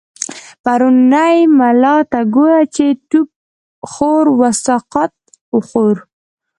پرو ني ملا ته ګوره، چی ټو ک خور و سقا ط خورو